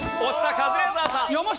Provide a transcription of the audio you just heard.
カズレーザーさん。